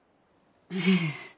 ええ。